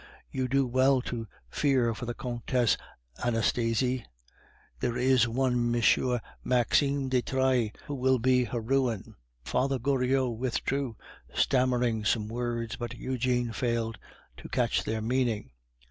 You do well to fear for the Comtesse Anastasie; there is one M. Maxime de Trailles, who will be her ruin." Father Goriot withdrew, stammering some words, but Eugene failed to catch their meaning.